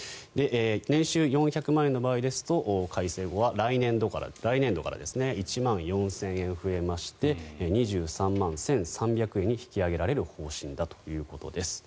年収４００万円の場合ですと改正後は、来年度から１万４０００円増えまして２３万１３００円に引き上げられる方針だということです。